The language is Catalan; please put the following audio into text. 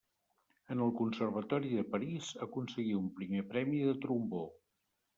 En el Conservatori de París, aconseguí un primer premi de trombó.